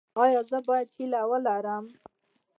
ایا زه باید هیله ولرم؟